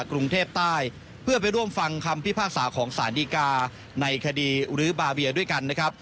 กรุงเทพใต้เพื่อไปร่วมฟังคำพิพากษาของสารดีกาในคดีรื้อบาเบียด้วยกันนะครับ